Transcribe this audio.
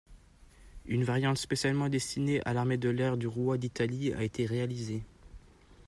Une variante spécialement destinée à l'Armée de l'air du Roi d'Italie a été réalisée.